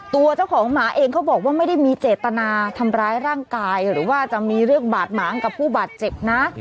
ตัวเจ้าของหมาเองเขาบอกว่าไม่ได้มีเจตนาทำร้ายร่างกายหรือว่าจะมีเรื่องบาดหมางกับผู้บาดเจ็บนะ